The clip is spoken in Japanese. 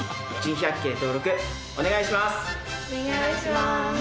お願いします。